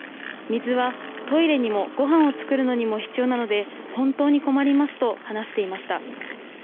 水はトイレにもごはんを作るのにも必要なので本当に困りますと話していました。